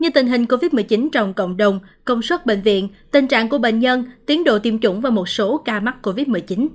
như tình hình covid một mươi chín trong cộng đồng công suất bệnh viện tình trạng của bệnh nhân tiến độ tiêm chủng và một số ca mắc covid một mươi chín